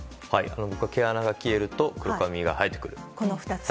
毛穴が消えると黒髪が生えてくる。